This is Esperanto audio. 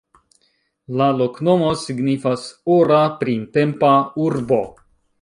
La loknomo signifas: "ora printempa urbo".